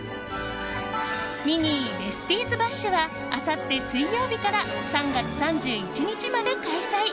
ミニー・ベスティーズ・バッシュ！はあさって水曜日から３月３１日まで開催。